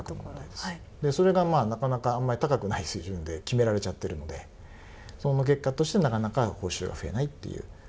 それがなかなかあんまり高くない水準で決められちゃってるのでその結果としてなかなか報酬が増えないっていう。